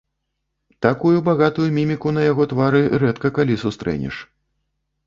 Такую багатую міміку на яго твары рэдка калі сустрэнеш.